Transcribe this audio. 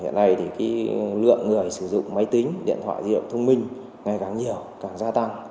hiện nay thì lượng người sử dụng máy tính điện thoại di động thông minh ngày càng nhiều càng gia tăng